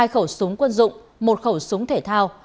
hai khẩu súng quân dụng một khẩu súng thể thao